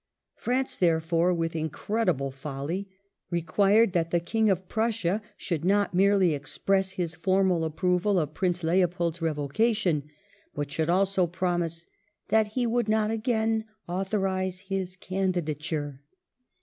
France, therefore, with incredible folly, required that the King of Prussia should not merely express his formal approval of Prince Leopold's revocation, but should also promise " that he would not again authorize his can didature